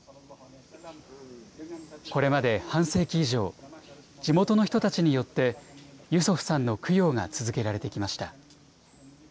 これまで半世紀以上、地元の人たちによってユソフさんの供養が続けられてきました。